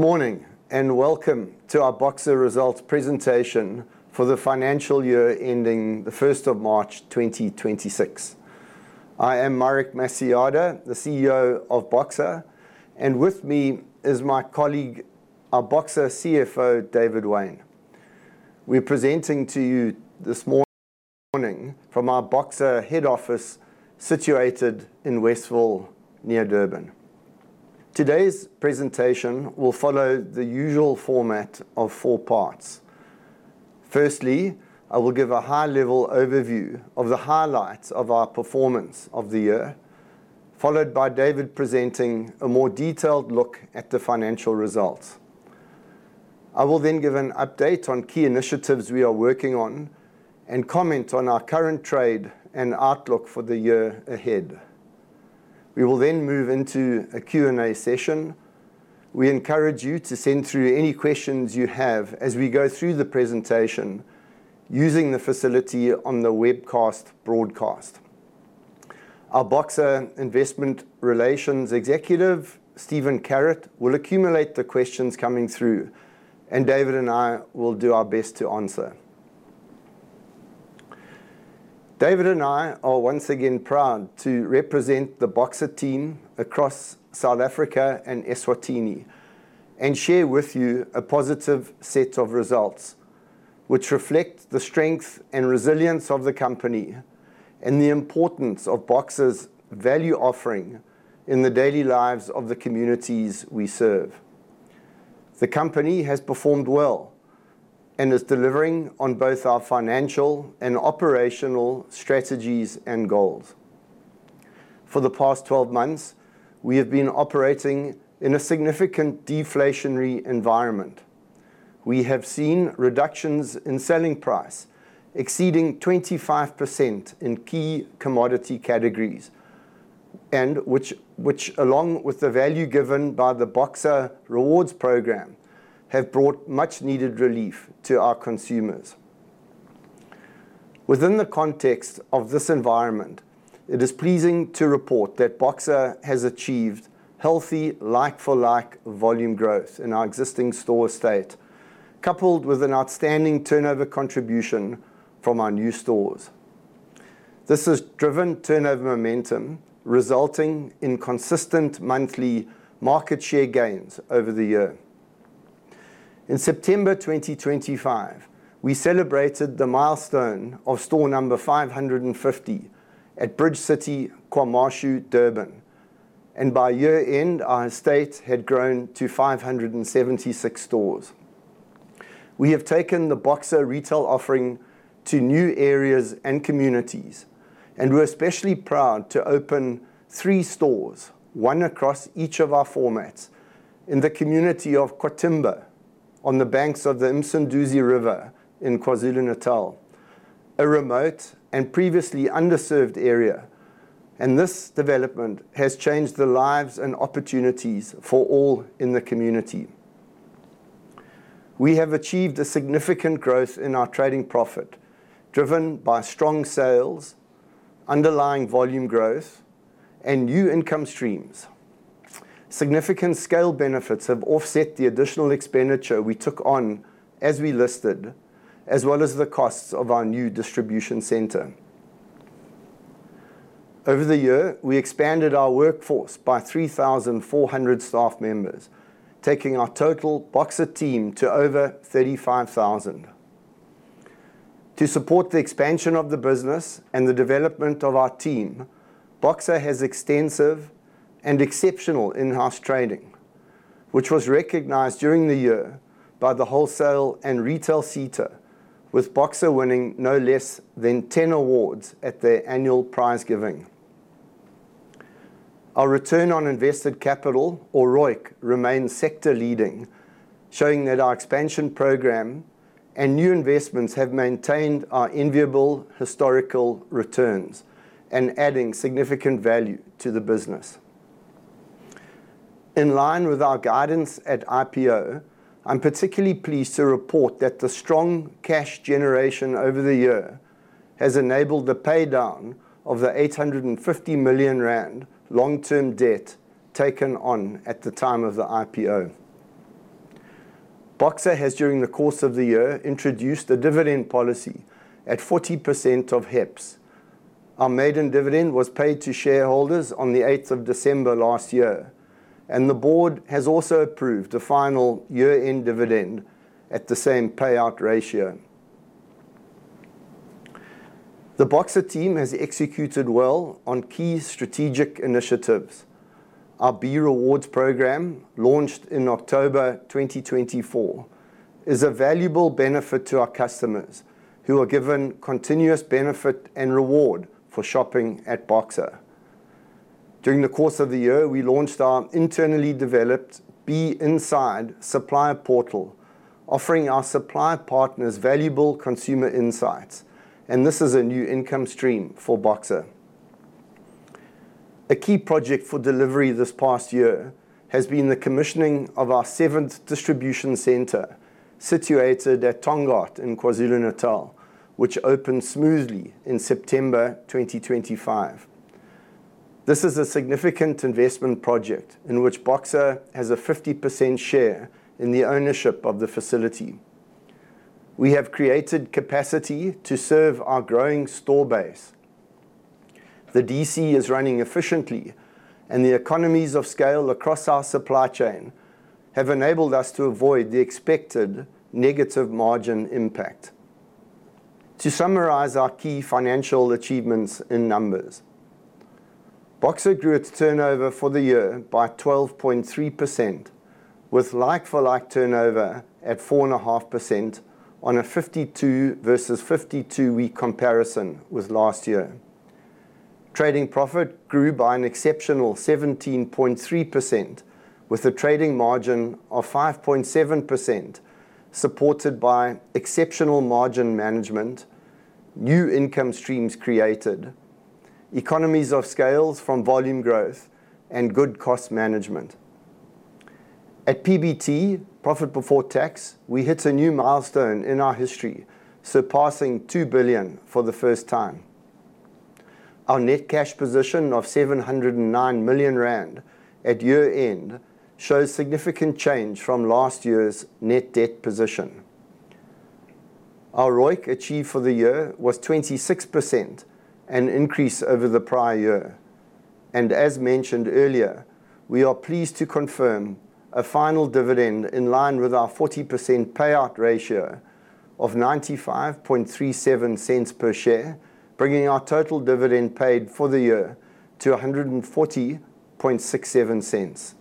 Morning. Welcome to our Boxer results presentation for the financial year ending March 1st, 2026. I am Marek Masojada, the CEO of Boxer. With me is my colleague, our Boxer CFO, David Wayne. We're presenting to you this morning from our Boxer head office situated in Westville, near Durban. Today's presentation will follow the usual format of four parts. Firstly, I will give a high-level overview of the highlights of our performance of the year, followed by David presenting a more detailed look at the financial results. I will give an update on key initiatives we are working on and comment on our current trade and outlook for the year ahead. We will move into a Q&A session. We encourage you to send through any questions you have as we go through the presentation using the facility on the webcast broadcast. Our Boxer Investor Relations Executive, Stephen Carrott, will accumulate the questions coming through, and David and I will do our best to answer. David and I are once again proud to represent the Boxer team across South Africa and Eswatini and share with you a positive set of results which reflect the strength and resilience of the company and the importance of Boxer's value offering in the daily lives of the communities we serve. The company has performed well and is delivering on both our financial and operational strategies and goals. For the past 12 months, we have been operating in a significant deflationary environment. We have seen reductions in selling price exceeding 25% in key commodity categories, which along with the value given by the Boxer rewards program, have brought much needed relief to our consumers. Within the context of this environment, it is pleasing to report that Boxer has achieved healthy like-for-like volume growth in our existing store estate, coupled with an outstanding turnover contribution from our new stores. This has driven turnover momentum, resulting in consistent monthly market share gains over the year. In September 2025, we celebrated the milestone of store number 550 at Bridge City, KwaMashu, Durban, and by year end, our estate had grown to 576 stores. We have taken the Boxer Retail offering to new areas and communities, and we're especially proud to open three stores, one across each of our formats, in the community of KwaThema, on the banks of the Msunduzi River in KwaZulu-Natal, a remote and previously underserved area. This development has changed the lives and opportunities for all in the community. We have achieved a significant growth in our trading profit, driven by strong sales, underlying volume growth, and new income streams. Significant scale benefits have offset the additional expenditure we took on as we listed, as well as the costs of our new distribution center. Over the year, we expanded our workforce by 3,400 staff members, taking our total Boxer team to over 35,000. To support the expansion of the business and the development of our team, Boxer has extensive and exceptional in-house training, which was recognized during the year by the Wholesale and Retail SETA, with Boxer winning no less than 10 awards at their Annual Prize Giving. Our return on invested capital, or ROIC, remains sector leading, showing that our expansion program and new investments have maintained our enviable historical returns and adding significant value to the business. In line with our guidance at IPO, I'm particularly pleased to report that the strong cash generation over the year has enabled the paydown of the 850 million rand long-term debt taken on at the time of the IPO. Boxer has during the course of the year introduced a dividend policy at 40% of HEPS. Our maiden dividend was paid to shareholders on December 8th last year. The board has also approved a final year-end dividend at the same payout ratio. The Boxer team has executed well on key strategic initiatives. Our B Rewards program, launched in October 2024, is a valuable benefit to our customers, who are given continuous benefit and reward for shopping at Boxer. During the course of the year, we launched our internally developed B-Inside Supplier Portal, offering our supplier partners valuable consumer insights. This is a new income stream for Boxer. A key project for delivery this past year has been the commissioning of our seventh distribution center, situated at oThongathi in KwaZulu-Natal, which opened smoothly in September 2025. This is a significant investment project in which Boxer has a 50% share in the ownership of the facility. We have created capacity to serve our growing store base. The DC is running efficiently. The economies of scale across our supply chain have enabled us to avoid the expected negative margin impact. To summarize our key financial achievements in numbers, Boxer grew its turnover for the year by 12.3% with like-for-like turnover at 4.5% on a 52 versus 52-week comparison with last year. Trading profit grew by an exceptional 17.3% with a trading margin of 5.7% supported by exceptional margin management, new income streams created, economies of scales from volume growth, and good cost management. At PBT, profit before tax, we hit a new milestone in our history, surpassing 2 billion for the first time. Our net cash position of 709 million rand at year-end shows significant change from last year's net debt position. Our ROIC achieved for the year was 26%, an increase over the prior year. As mentioned earlier, we are pleased to confirm a final dividend in line with our 40% payout ratio of 0.9537 per share, bringing our total dividend paid for the year to 1.4067.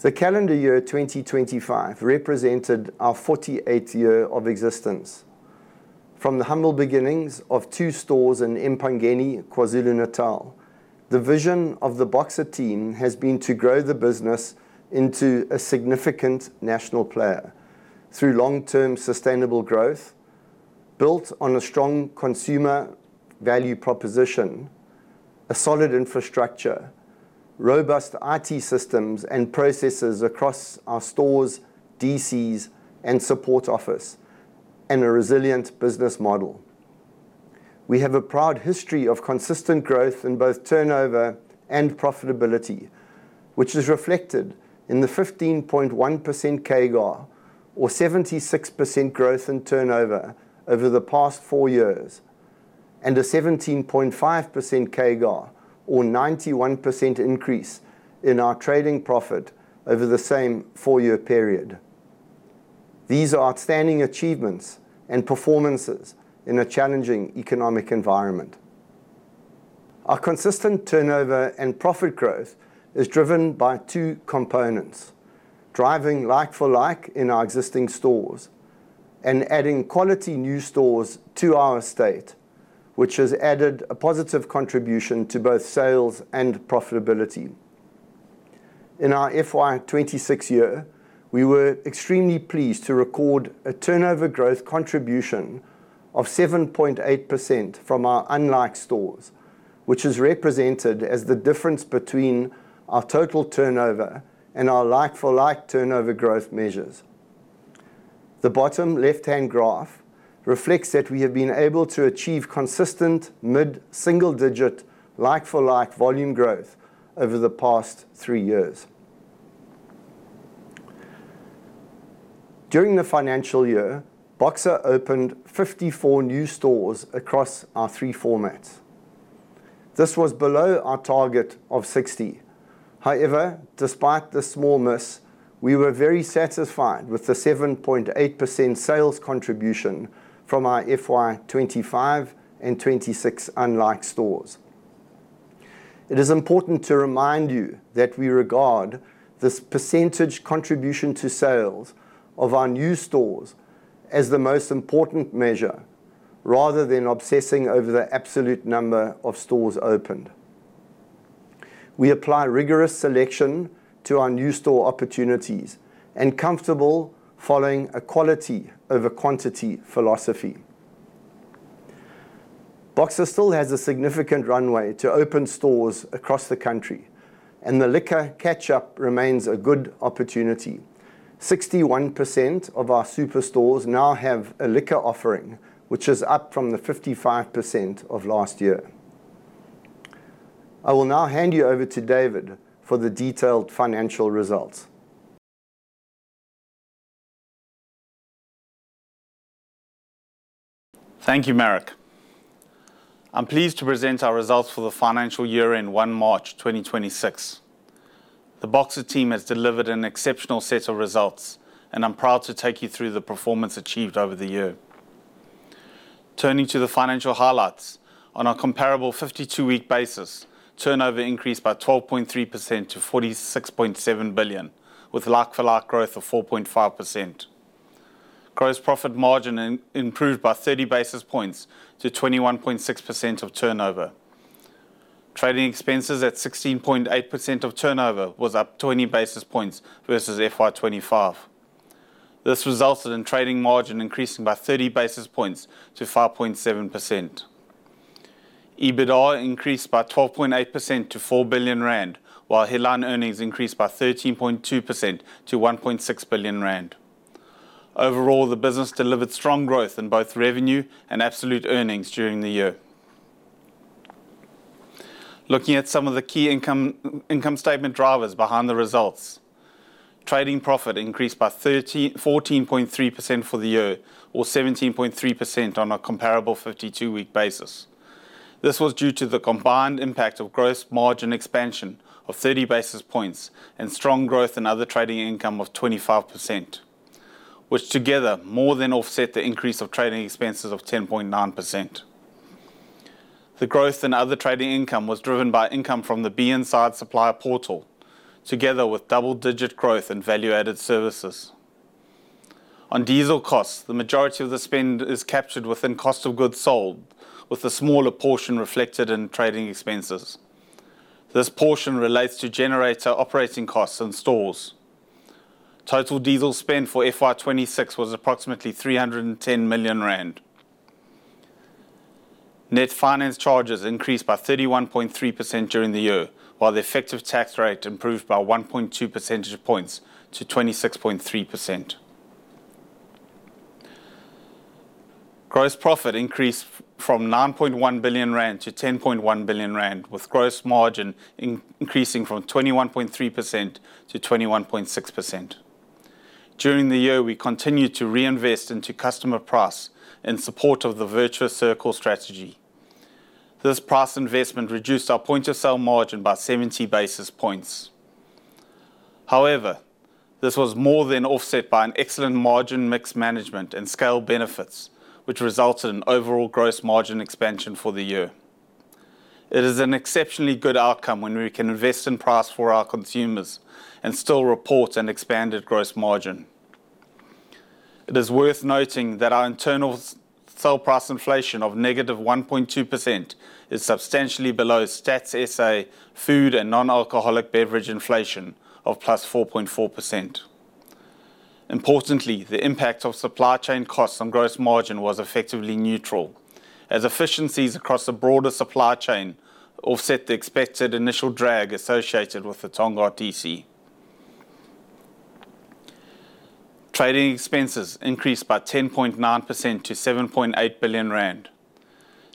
The calendar year 2025 represented our 48 year of existence. From the humble beginnings of two stores in Empangeni, KwaZulu-Natal, the vision of the Boxer team has been to grow the business into a significant national player through long-term sustainable growth built on a strong consumer value proposition, a solid infrastructure, robust IT systems, and processes across our stores, DCs, and support office, and a resilient business model. We have a proud history of consistent growth in both turnover and profitability, which is reflected in the 15.1% CAGR or 76% growth in turnover over the past four years, and a 17.5% CAGR or 91% increase in our trading profit over the same four-year period. These are outstanding achievements and performances in a challenging economic environment. Our consistent turnover and profit growth is driven by two components, driving like-for-like in our existing stores and adding quality new stores to our estate, which has added a positive contribution to both sales and profitability. In our FY 2026 year, we were extremely pleased to record a turnover growth contribution of 7.8% from our unlike stores, which is represented as the difference between our total turnover and our like-for-like turnover growth measures. The bottom left-hand graph reflects that we have been able to achieve consistent mid-single-digit like-for-like volume growth over the past three years. During the financial year, Boxer opened 54 new stores across our three formats. This was below our target of 60. However, despite the small miss, we were very satisfied with the 7.8% sales contribution from our FY 2025 and 2026 un-like stores. It is important to remind you that we regard this percentage contribution to sales of our new stores as the most important measure rather than obsessing over the absolute number of stores opened. We apply rigorous selection to our new store opportunities and comfortable following a quality over quantity philosophy. Boxer still has a significant runway to open stores across the country, and the liquor catch-up remains a good opportunity. 61% of our superstores now have a liquor offering, which is up from the 55% of last year. I will now hand you over to David for the detailed financial results. Thank you, Marek. I'm pleased to present our results for the financial year end March 1, 2026. The Boxer team has delivered an exceptional set of results, and I'm proud to take you through the performance achieved over the year. Turning to the financial highlights, on a comparable 52-week basis, turnover increased by 12.3% to 46.7 billion, with like-for-like growth of 4.5%. Gross profit margin improved by 30 basis points to 21.6% of turnover. Trading expenses at 16.8% of turnover was up 20 basis points versus FY 2025. This resulted in trading margin increasing by 30 basis points to 5.7%. EBITDA increased by 12.8% to 4 billion rand, while headline earnings increased by 13.2% to 1.6 billion rand. Overall, the business delivered strong growth in both revenue and absolute earnings during the year. Looking at some of the key income statement drivers behind the results. Trading profit increased by 14.3% for the year or 17.3% on a comparable 52-week basis. This was due to the combined impact of gross margin expansion of 30 basis points and strong growth in other trading income of 25%, which together more than offset the increase of trading expenses of 10.9%. The growth in other trading income was driven by income from the B-Inside supplier portal, together with double-digit growth in value-added services. On diesel costs, the majority of the spend is captured within cost of goods sold, with a smaller portion reflected in trading expenses. This portion relates to generator operating costs and stores. Total diesel spend for FY 2026 was approximately 310 million rand. Net finance charges increased by 31.3% during the year, while the effective tax rate improved by 1.2 percentage points to 26.3%. Gross profit increased from 9.1 billion-10.1 billion rand, with gross margin increasing from 21.3%-21.6%. During the year, we continued to reinvest into customer price in support of the Virtuous Circle strategy. This price investment reduced our point of sale margin by 70 basis points. This was more than offset by an excellent margin mix management and scale benefits, which resulted in overall gross margin expansion for the year. It is an exceptionally good outcome when we can invest in price for our consumers and still report an expanded gross margin. It is worth noting that our internal sell price inflation of -1.2% is substantially below Stats SA food and non-alcoholic beverage inflation of +4.4%. The impact of supply chain costs on gross margin was effectively neutral, as efficiencies across the broader supply chain offset the expected initial drag associated with the Tongaat DC. Trading expenses increased by 10.9% to 7.8 billion rand.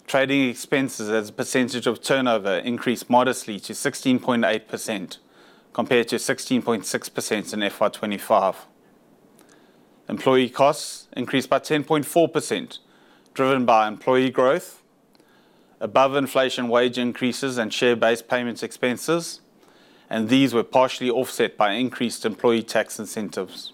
Trading expenses as a percentage of turnover increased modestly to 16.8% compared to 16.6% in FY 2025. Employee costs increased by 10.4%, driven by employee growth, above inflation wage increases, and share-based payments expenses, and these were partially offset by increased employee tax incentives.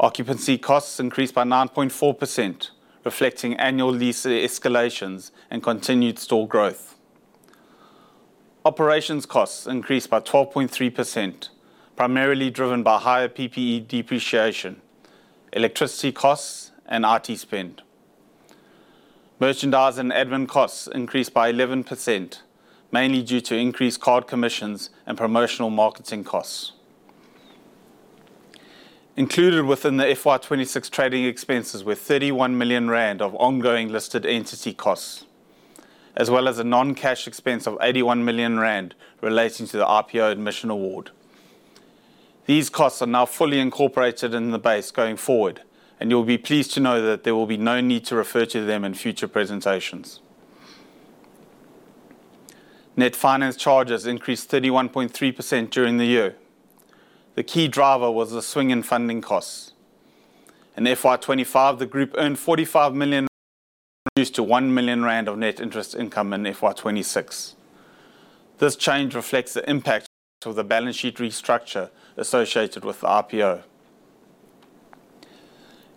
Occupancy costs increased by 9.4%, reflecting annual lease escalations and continued store growth. Operations costs increased by 12.3%, primarily driven by higher PPE depreciation, electricity costs, and IT spend. Merchandise and admin costs increased by 11%, mainly due to increased card commissions and promotional marketing costs. Included within the FY 2026 trading expenses were 31 million rand of ongoing listed entity costs, as well as a non-cash expense of 81 million rand relating to the IPO admission award. These costs are now fully incorporated in the base going forward. You'll be pleased to know that there will be no need to refer to them in future presentations. Net finance charges increased 31.3% during the year. The key driver was the swing in funding costs. In FY 2025, the group earned 45 million reduced to 1 million rand of net interest income in FY 2026. This change reflects the impact of the balance sheet restructure associated with the IPO.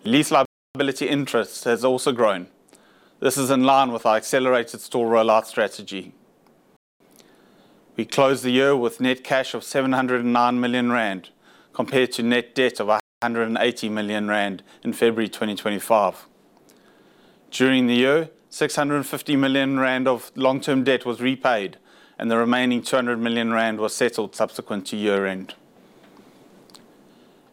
Lease liability interest has also grown. This is in line with our accelerated store rollout strategy. We closed the year with net cash of 709 million rand compared to net debt of 180 million rand in February 2025. During the year, 650 million rand of long-term debt was repaid, and the remaining 200 million rand was settled subsequent to year-end.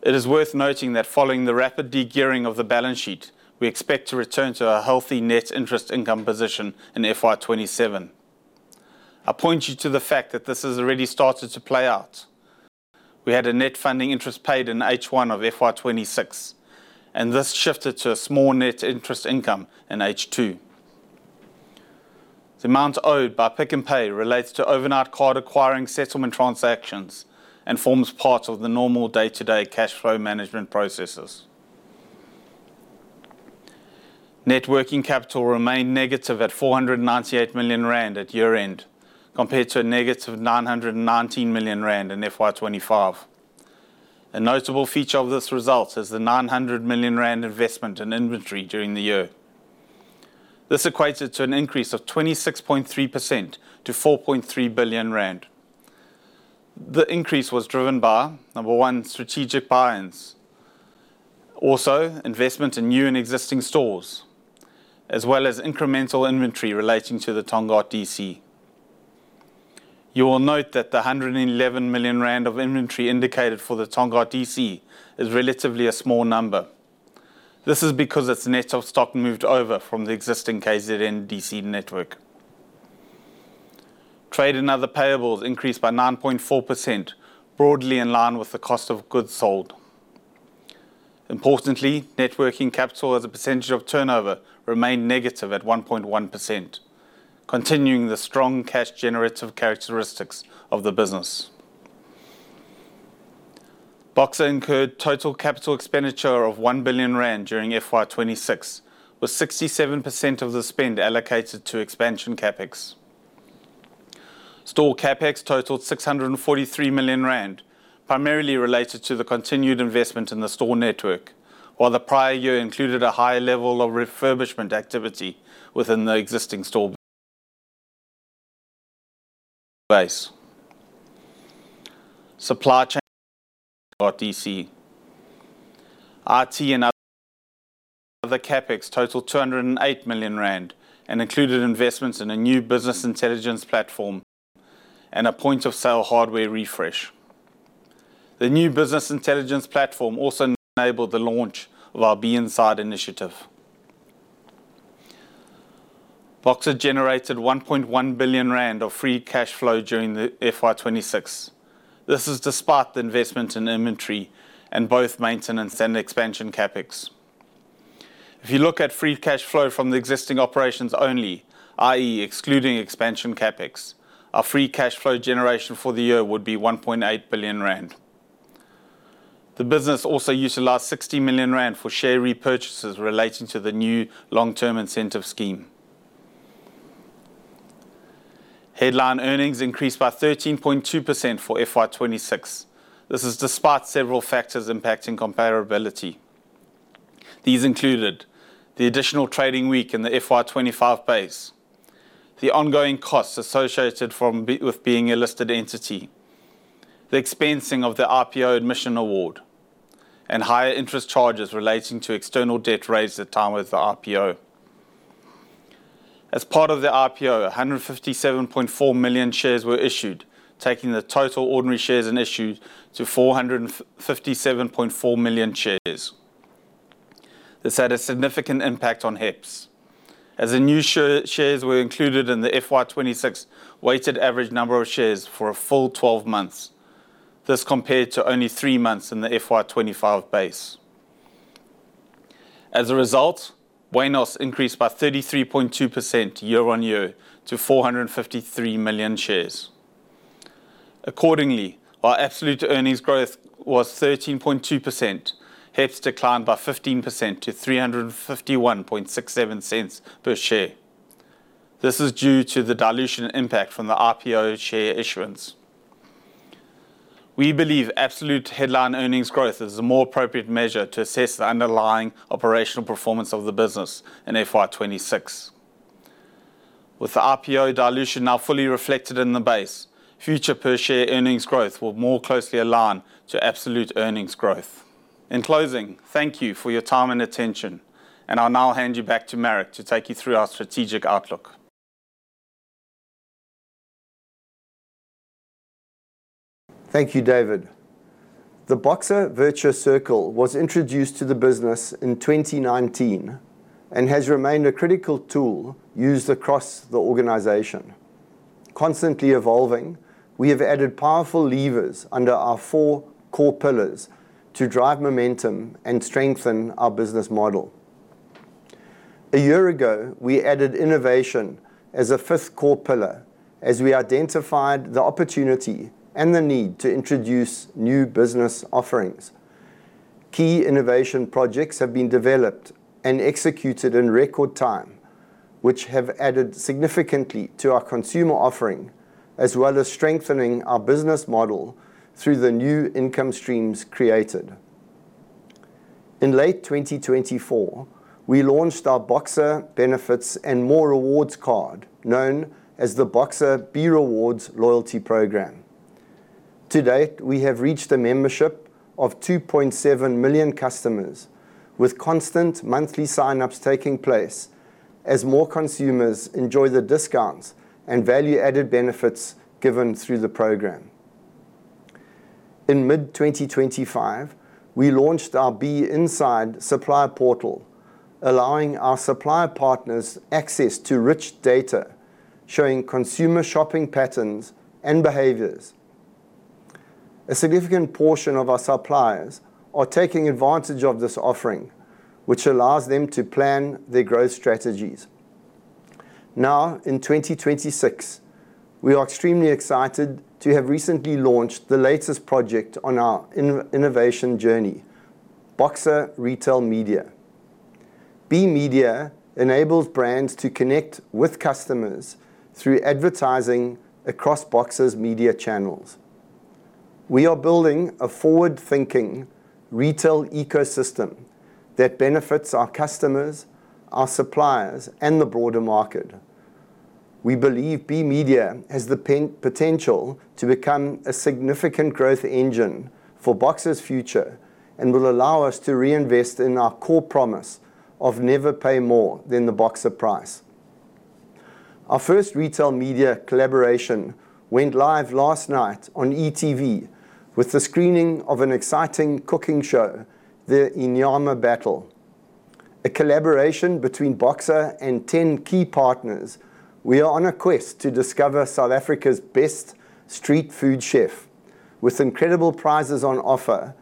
It is worth noting that following the rapid de-gearing of the balance sheet, we expect to return to a healthy net interest income position in FY 2027. I point you to the fact that this has already started to play out. We had a net funding interest paid in H1 of FY 2026, and this shifted to a small net interest income in H2. The amount owed by Pick n Pay relates to overnight card acquiring settlement transactions and forms part of the normal day-to-day cash flow management processes. Net working capital remained negative at 498 million rand at year-end, compared to a -919 million rand in FY 2025. A notable feature of this result is the 900 million rand investment in inventory during the year. This equated to an increase of 26.3% to 4.3 billion rand. The increase was driven by, number one, strategic buy-ins, also investment in new and existing stores, as well as incremental inventory relating to the Tongaat DC. You will note that the 111 million rand of inventory indicated for the Tongaat DC is relatively a small number. This is because its net of stock moved over from the existing KZN DC network. Trade and other payables increased by 9.4%, broadly in line with the cost of goods sold. Importantly, networking capital as a percentage of turnover remained negative at 1.1%, continuing the strong cash generative characteristics of the business. Boxer incurred total capital expenditure of 1 billion rand during FY 2026, with 67% of the spend allocated to expansion CapEx. Store CapEx totaled 643 million rand, primarily related to the continued investment in the store network, while the prior year included a higher level of refurbishment activity within the existing store base. Supply chain DC. IT and other CapEx totaled 208 million rand and included investments in a new business intelligence platform and a point of sale hardware refresh. The new business intelligence platform also enabled the launch of our B-Inside initiative. Boxer generated 1.1 billion rand of free cash flow during the FY 2026. This is despite the investment in inventory and both maintenance and expansion CapEx. If you look at free cash flow from the existing operations only, i.e., excluding expansion CapEx, our free cash flow generation for the year would be 1.8 billion rand. The business also utilized 60 million rand for share repurchases relating to the new long-term incentive scheme. Headline earnings increased by 13.2% for FY 2026. This is despite several factors impacting comparability. These included the additional trading week in the FY 2025 base, the ongoing costs associated with being a listed entity, the expensing of the IPO admission award, and higher interest charges relating to external debt raised at time with the IPO. As part of the IPO, 157.4 million shares were issued, taking the total ordinary shares in issue to 457.4 million shares. This had a significant impact on HEPS, as the new shares were included in the FY 2026 weighted average number of shares for a full 12 months. This compared to only three months in the FY 2025 base. As a result, WENOS increased by 33.2% year-on-year to 453 million shares. Accordingly, our absolute earnings growth was 13.2%. HEPS declined by 15% to 3.5167 per share. This is due to the dilution impact from the IPO share issuance. We believe absolute headline earnings growth is a more appropriate measure to assess the underlying operational performance of the business in FY 2026. With the IPO dilution now fully reflected in the base, future per share earnings growth will more closely align to absolute earnings growth. In closing, thank you for your time and attention, and I'll now hand you back to Marek to take you through our strategic outlook. Thank you, David. The Boxer Virtuous Circle was introduced to the business in 2019 and has remained a critical tool used across the organization. Constantly evolving, we have added powerful levers under our four core pillars to drive momentum and strengthen our business model. A year ago, we added innovation as a fifth core pillar as we identified the opportunity and the need to introduce new business offerings. Key innovation projects have been developed and executed in record time, which have added significantly to our consumer offering as well as strengthening our business model through the new income streams created. In late 2024, we launched our Boxer Benefits and More Rewards card, known as the Boxer B Rewards loyalty program. To date, we have reached a membership of 2.7 million customers with constant monthly signups taking place as more consumers enjoy the discounts and value-added benefits given through the program. In mid-2025, we launched our B-Inside Supplier Portal, allowing our supplier partners access to rich data showing consumer shopping patterns and behaviors. A significant portion of our suppliers are taking advantage of this offering, which allows them to plan their growth strategies. In 2026, we are extremely excited to have recently launched the latest project on our innovation journey, Boxer Retail Media. B Media enables brands to connect with customers through advertising across Boxer's media channels. We are building a forward-thinking retail ecosystem that benefits our customers, our suppliers, and the broader market. We believe B Media has the potential to become a significant growth engine for Boxer's future and will allow us to reinvest in our core promise of never pay more than the Boxer price. Our first retail media collaboration went live last night on e.tv with the screening of an exciting cooking show, The Inyama Battle, a collaboration between Boxer and 10 key partners. We are on a quest to discover South Africa's best street food chef, with incredible prizes on offer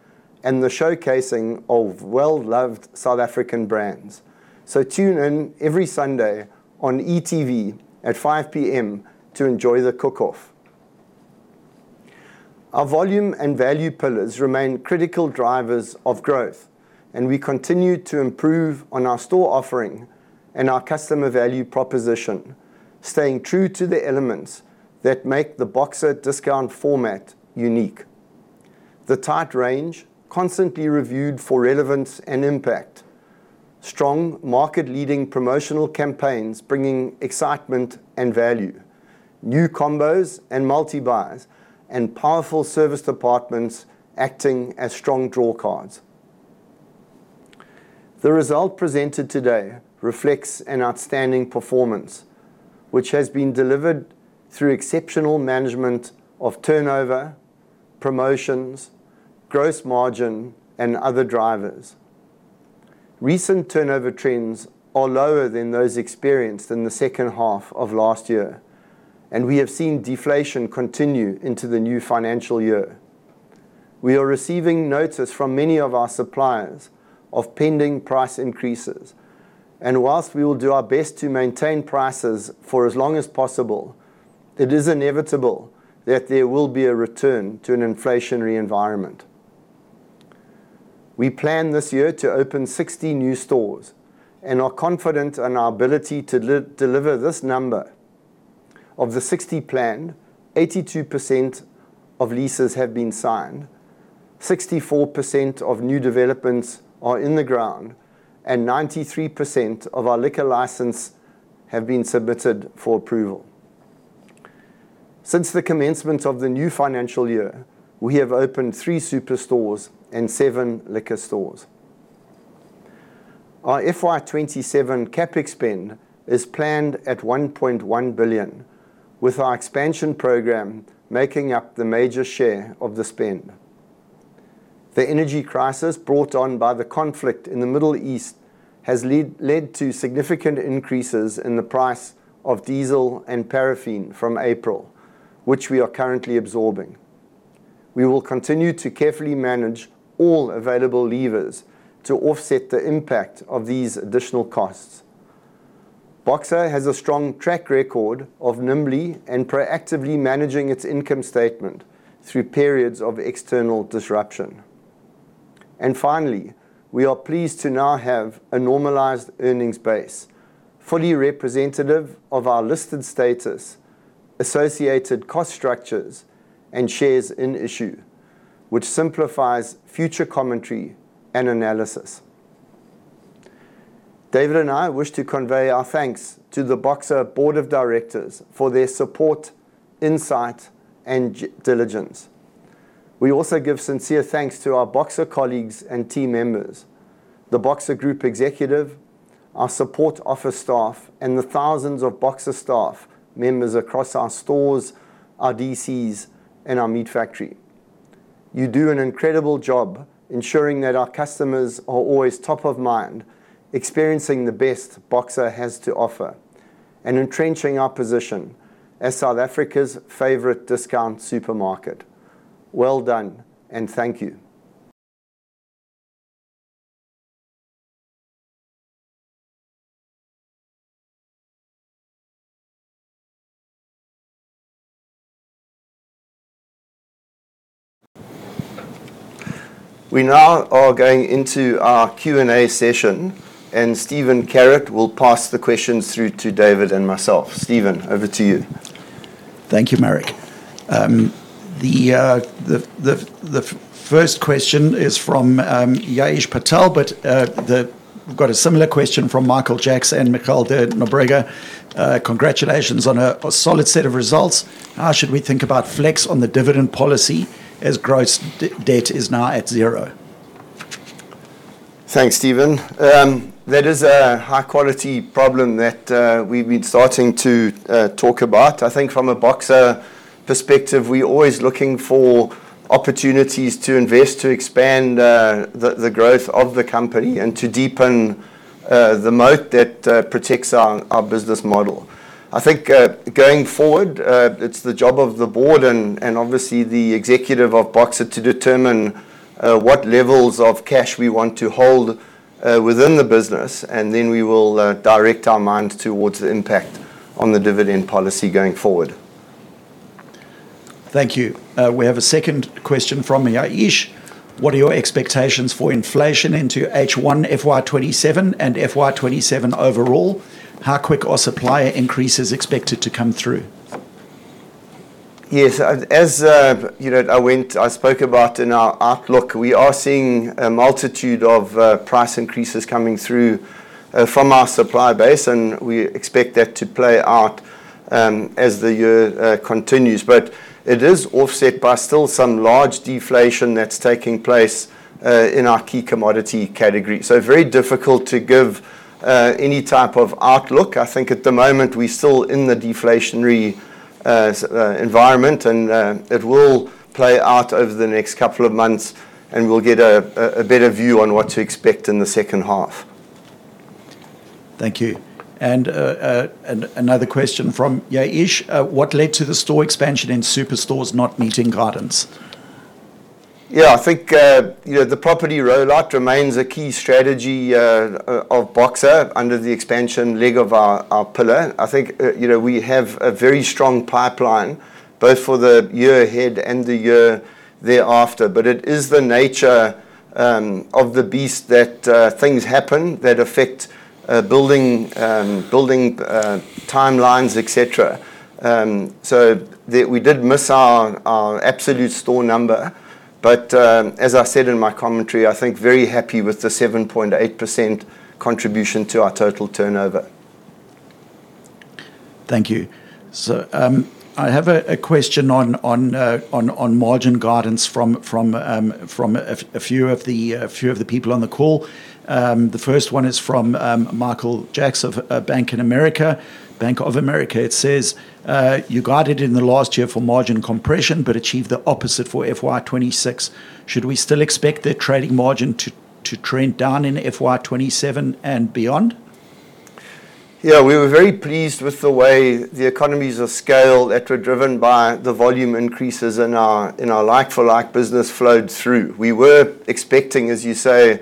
and the showcasing of well-loved South African brands. Tune in every Sunday on e.tv at 5:00 P.M. to enjoy the cook-off. Our volume and value pillars remain critical drivers of growth, and we continue to improve on our store offering and our customer value proposition, staying true to the elements that make the Boxer discount format unique. The tight range, constantly reviewed for relevance and impact, strong market-leading promotional campaigns bringing excitement and value, new combos and multi-buys, and powerful service departments acting as strong draw cards. The result presented today reflects an outstanding performance, which has been delivered through exceptional management of turnover, promotions, gross margin, and other drivers. Recent turnover trends are lower than those experienced in the second half of last year. We have seen deflation continue into the new financial year. We are receiving notice from many of our suppliers of pending price increases. While we will do our best to maintain prices for as long as possible, it is inevitable that there will be a return to an inflationary environment. We plan this year to open 60 new stores. We are confident in our ability to deliver this number. Of the 60 planned, 82% of leases have been signed, 64% of new developments are in the ground, and 93% of our liquor license have been submitted for approval. Since the commencement of the new financial year, we have opened three super stores and seven liquor stores. Our FY 2027 CapEx spend is planned at 1.1 billion, with our expansion program making up the major share of the spend. The energy crisis brought on by the conflict in the Middle East has led to significant increases in the price of diesel and paraffin from April, which we are currently absorbing. We will continue to carefully manage all available levers to offset the impact of these additional costs. Boxer has a strong track record of nimbly and proactively managing its income statement through periods of external disruption. Finally, we are pleased to now have a normalized earnings base, fully representative of our listed status, associated cost structures, and shares in issue, which simplifies future commentary and analysis. David and I wish to convey our thanks to the Boxer Board of Directors for their support, insight, and diligence. We also give sincere thanks to our Boxer colleagues and team members, the Boxer group executive, our support office staff, and the thousands of Boxer staff members across our stores, our DCs, and our meat factory. You do an incredible job ensuring that our customers are always top of mind, experiencing the best Boxer has to offer, and entrenching our position as South Africa's favorite discount supermarket. Well done, and thank you. We now are going into our Q&A session, and Stephen Carrott will pass the questions through to David and myself. Stephen, over to you. Thank you, Marek. The first question is from Ya'eesh Patel, but we've got a similar question from Michael Jacks and Michael de Nobrega. Congratulations on a solid set of results. How should we think about flex on the dividend policy as gross debt is now at zero? Thanks, Stephen. That is a high-quality problem that we've been starting to talk about. I think from a Boxer perspective, we're always looking for opportunities to invest, to expand, the growth of the company and to deepen the moat that protects our business model. I think, going forward, it's the job of the board and obviously the executive of Boxer to determine what levels of cash we want to hold within the business, and then we will direct our mind towards the impact on the dividend policy going forward. Thank you. We have a second question from Ya'eesh. What are your expectations for inflation into H1 FY 2027 and FY 2027 overall? How quick are supplier increases expected to come through? Yes. As you know, I spoke about in our outlook, we are seeing a multitude of price increases coming through from our supply base, and we expect that to play out as the year continues. It is offset by still some large deflation that's taking place in our key commodity category. Very difficult to give any type of outlook. I think at the moment we're still in the deflationary environment, and it will play out over the next couple of months, and we'll get a better view on what to expect in the second half. Thank you. Another question from Ya'eesh. What led to the store expansion in Superstores not meeting guidance? I think, you know, the property rollout remains a key strategy of Boxer under the expansion leg of our pillar. I think, you know, we have a very strong pipeline, both for the year ahead and the year thereafter. It is the nature of the beast that things happen that affect building timelines, etc. We did miss our absolute store number, as I said in my commentary, I think very happy with the 7.8% contribution to our total turnover. Thank you. I have a question on margin guidance from a few of the people on the call. The first one is from Michael Jacks of Bank of America. It says, you guided in the last year for margin compression but achieved the opposite for FY 2026. Should we still expect the trading margin to trend down in FY 2027 and beyond? We were very pleased with the way the economies of scale that were driven by the volume increases in our, in our like-for-like business flowed through. We were expecting, as you say,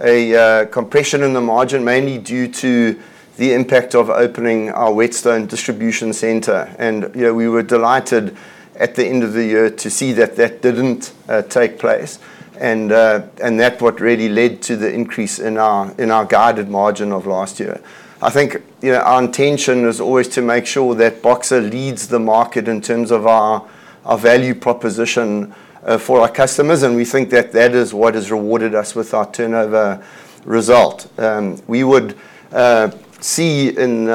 a compression in the margin, mainly due to the impact of opening our Tongaat Distribution Center. You know, we were delighted at the end of the year to see that that didn't take place, and that what really led to the increase in our, in our guided margin of last year. I think, you know, our intention is always to make sure that Boxer leads the market in terms of our value proposition for our customers, and we think that that is what has rewarded us with our turnover result. We would see in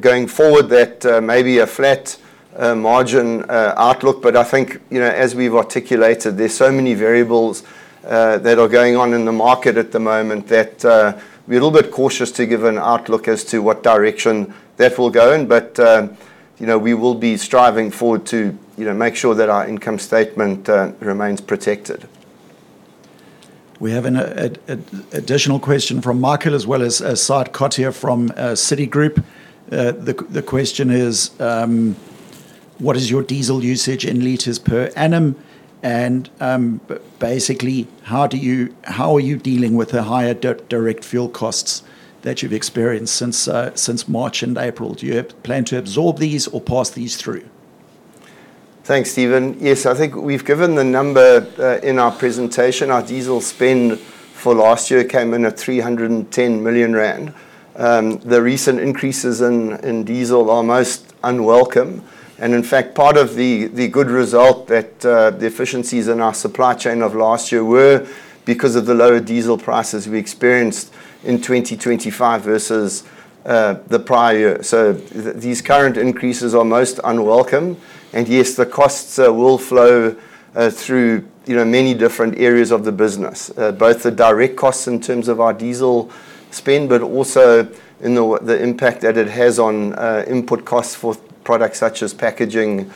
going forward that maybe a flat margin outlook. I think, you know, as we've articulated, there's so many variables that are going on in the market at the moment that we're a little bit cautious to give an outlook as to what direction that will go in. You know, we will be striving forward to, you know, make sure that our income statement remains protected. We have an additional question from Michael, as well as Sa'ad Chothia from Citigroup. The question is, what is your diesel usage in liters per annum, and basically, how are you dealing with the higher direct fuel costs that you've experienced since March and April? Do you have plan to absorb these or pass these through? Thanks, Stephen. Yes, I think we've given the number in our presentation. Our diesel spend for last year came in at 310 million rand. The recent increases in diesel are most unwelcome, and in fact, part of the good result that the efficiencies in our supply chain of last year were because of the lower diesel prices we experienced in 2025 versus the prior year. These current increases are most unwelcome, and yes, the costs will flow through, you know, many different areas of the business, both the direct costs in terms of our diesel spend, but also in the impact that it has on input costs for products such as packaging,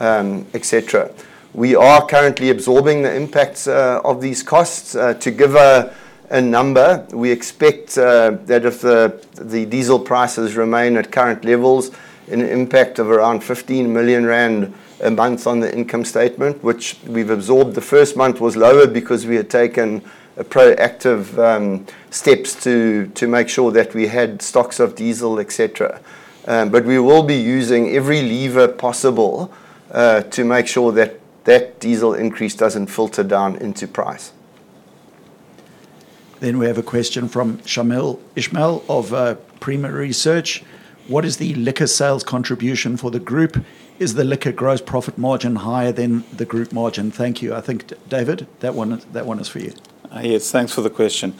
etc. We are currently absorbing the impacts of these costs. To give a number, we expect that if the diesel prices remain at current levels, an impact of around 15 million rand a month on the income statement, which we've absorbed. The first month was lower because we had taken a proactive steps to make sure that we had stocks of diesel, etc. We will be using every lever possible to make sure that diesel increase doesn't filter down into price. We have a question from Shamil Ismail of Primaresearch. What is the liquor sales contribution for the group? Is the liquor gross profit margin higher than the group margin? Thank you. I think, David, that one is for you. Yes. Thanks for the question.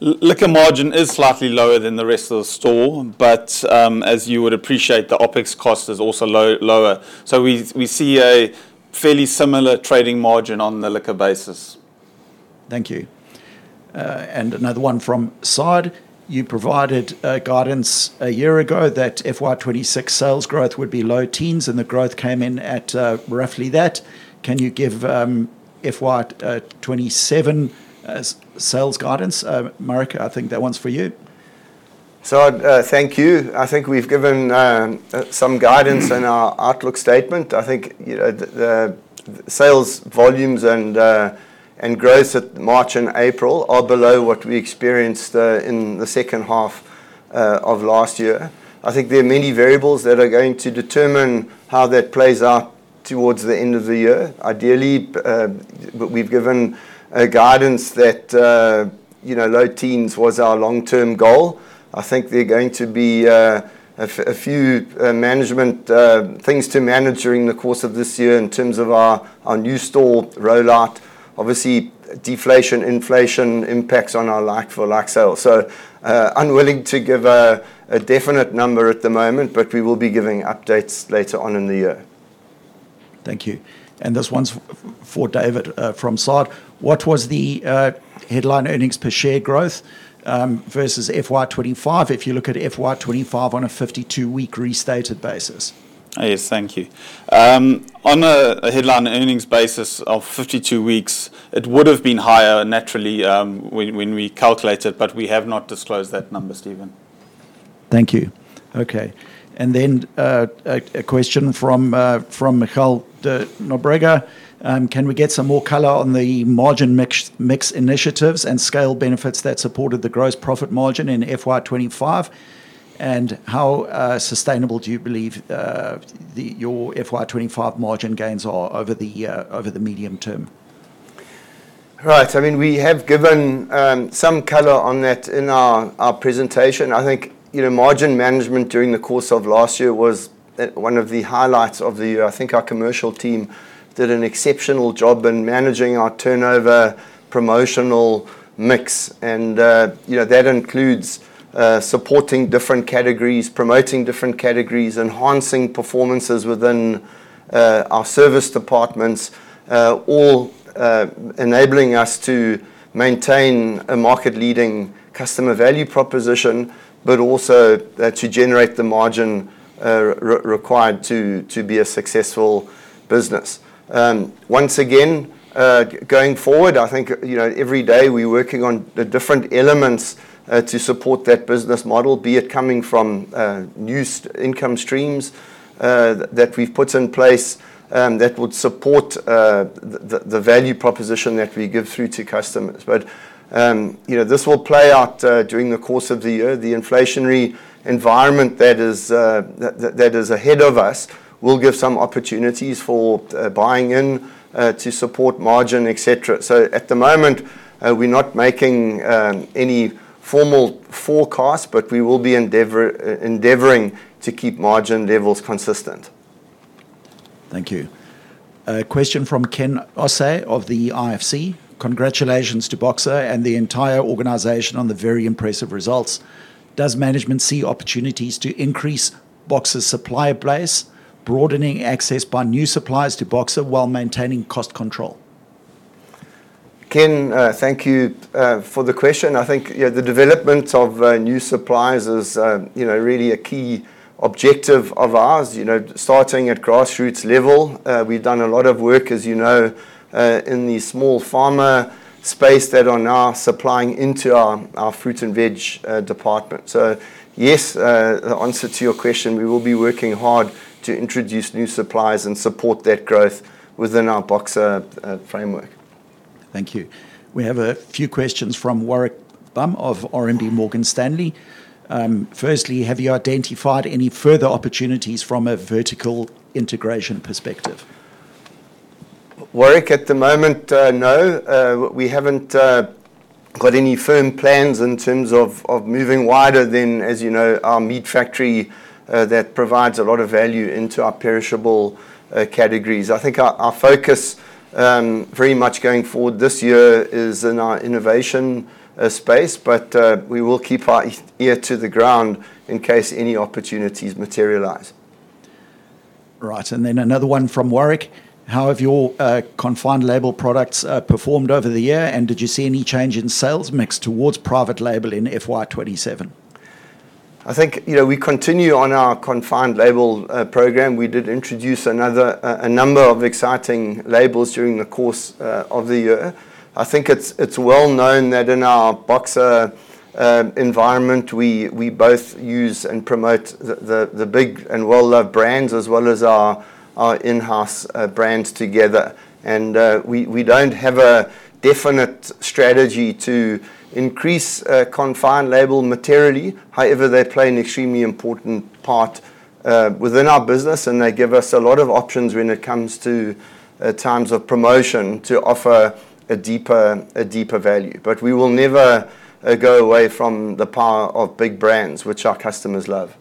Liquor margin is slightly lower than the rest of the store, as you would appreciate, the OpEx cost is also lower. We see a fairly similar trading margin on the liquor basis. Thank you. Another one from Sa'ad. You provided guidance a year ago that FY 2026 sales growth would be low teens, and the growth came in at roughly that. Can you give FY 2027 sales guidance? Marek, I think that one's for you. Sa'ad, thank you. I think we've given some guidance in our outlook statement. I think, you know, the sales volumes and growth at March and April are below what we experienced in the second half of last year. I think there are many variables that are going to determine how that plays out towards the end of the year. Ideally, we've given a guidance that, you know, low teens was our long-term goal. I think there are going to be a few management things to manage during the course of this year in terms of our new store rollout. Obviously, deflation, inflation impacts on our like-for-like sales. Unwilling to give a definite number at the moment, but we will be giving updates later on in the year. Thank you. This one's for David, from Sa'ad. What was the headline earnings per share growth versus FY 2025 if you look at FY 2025 on a 52-week restated basis? Yes, thank you. On a headline earnings basis of 52 weeks, it would've been higher naturally, when we calculate it, but we have not disclosed that number, Stephen. Thank you. Okay. A question from Michael de Nobrega. Can we get some more color on the margin mix initiatives and scale benefits that supported the gross profit margin in FY 2025, and how sustainable do you believe the your FY 2025 margin gains are over the over the medium term? Right. I mean, we have given some color on that in our presentation. I think, you know, margin management during the course of last year was one of the highlights of the year. I think our commercial team did an exceptional job in managing our turnover promotional mix, and, you know, that includes supporting different categories, promoting different categories, enhancing performances within our service departments, all enabling us to maintain a market-leading customer value proposition, but also to generate the margin required to be a successful business. Once again, going forward, I think, you know, every day we working on the different elements to support that business model, be it coming from new income streams that we've put in place that would support the value proposition that we give through to customers. You know, this will play out during the course of the year. The inflationary environment that is ahead of us will give some opportunities for buying in to support margin, etc. At the moment, we're not making any formal forecast, but we will be endeavoring to keep margin levels consistent. Thank you. A question from Ken Osei of the IFC. Congratulations to Boxer and the entire organization on the very impressive results. Does management see opportunities to increase Boxer's supplier base, broadening access by new suppliers to Boxer while maintaining cost control? Ken, thank you for the question. I think, you know, the development of new suppliers is, you know, really a key objective of ours. You know, starting at grassroots level, we've done a lot of work, as you know, in the small farmer space that are now supplying into our fruit and veg, department. Yes, answer to your question, we will be working hard to introduce new suppliers and support that growth within our Boxer, framework. Thank you. We have a few questions from Warwick Bam of RMB Morgan Stanley. Firstly, have you identified any further opportunities from a vertical integration perspective? Warwick, at the moment, no. We haven't got any firm plans in terms of moving wider than, as you know, our meat factory that provides a lot of value into our perishable categories. I think our focus very much going forward this year is in our innovation space, but we will keep our ear to the ground in case any opportunities materialize. Right. Then another one from Warwick. How have your confined label products performed over the year, and did you see any change in sales mix towards private label in FY 2027? I think, you know, we continue on our confined label program. We did introduce another a number of exciting labels during the course of the year. I think it's well known that in our Boxer environment, we both use and promote the big and well-loved brands as well as our in-house brands together. We don't have a definite strategy to increase confined label materially. However, they play an extremely important part within our business, and they give us a lot of options when it comes to times of promotion to offer a deeper value. We will never go away from the power of big brands, which our customers love.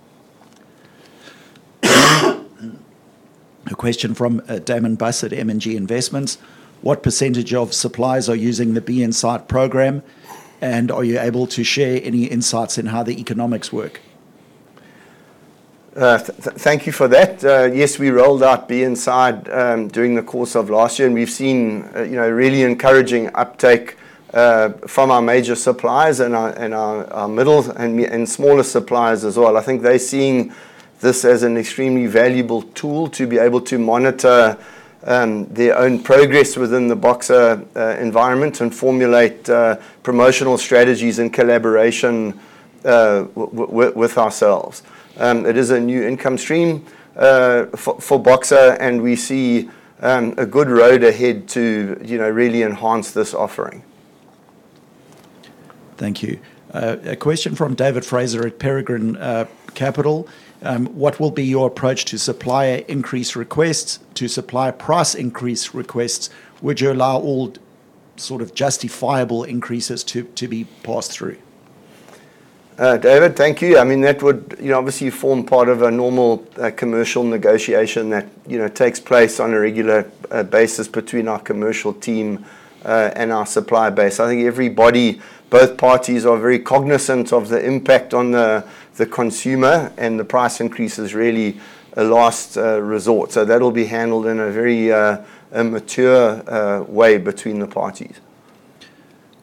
A question from Damon Buss at M&G Investments. What percentage of suppliers are using the B-Inside program, and are you able to share any insights in how the economics work? Thank you for that. Yes, we rolled out B-Inside during the course of last year, and we've seen, you know, really encouraging uptake from our major suppliers and our middle and smaller suppliers as well. I think they're seeing this as an extremely valuable tool to be able to monitor their own progress within the Boxer environment and formulate promotional strategies and collaboration with ourselves. It is a new income stream for Boxer, and we see a good road ahead to, you know, really enhance this offering. Thank you. A question from David Fraser at Peregrine Capital. What will be your approach to supplier price increase requests? Would you allow all sort of justifiable increases to be passed through? David, thank you. I mean, that would, you know, obviously form part of a normal commercial negotiation that, you know, takes place on a regular basis between our commercial team and our supplier base. I think everybody, both parties are very cognizant of the impact on the consumer, and the price increase is really a last resort. That'll be handled in a very mature way between the parties.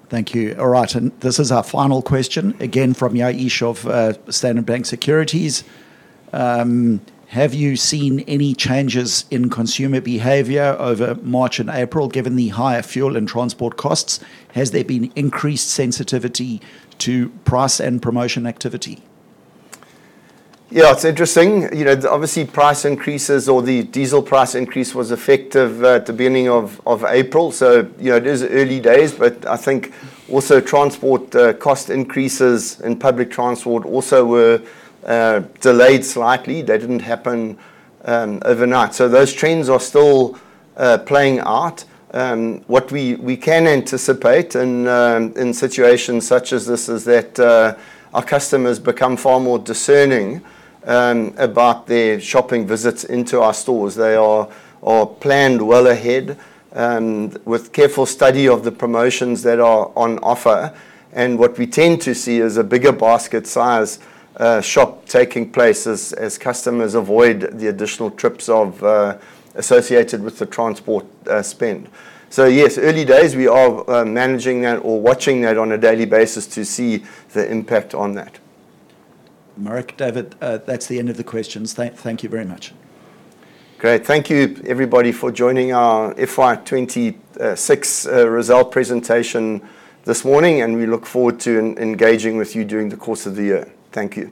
Thank you. All right, this is our final question, again, from Ya'eesh of Standard Bank Securities. Have you seen any changes in consumer behavior over March and April given the higher fuel and transport costs? Has there been increased sensitivity to price and promotion activity? Yeah, it's interesting. You know, obviously price increases or the diesel price increase was effective at the beginning of April, so, you know, it is early days. I think also transport cost increases and public transport also were delayed slightly. They didn't happen overnight. Those trends are still playing out. What we can anticipate in situations such as this is that our customers become far more discerning about their shopping visits into our stores. They are planned well ahead with careful study of the promotions that are on offer. What we tend to see is a bigger basket size shop taking place as customers avoid the additional trips associated with the transport spend. Yes, early days. We are managing that or watching that on a daily basis to see the impact on that. Marek, David, that's the end of the questions. Thank you very much. Great. Thank you, everybody, for joining our FY 2026 result presentation this morning. We look forward to engaging with you during the course of the year. Thank you.